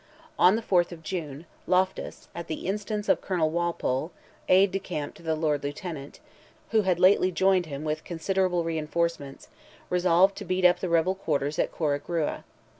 On the 4th of June, Loftus, at the instance of Colonel Walpole, aid de camp to the Lord Lieutenant, who had lately joined him with considerable reinforcements, resolved to beat up the rebel quarters at Corrigrua.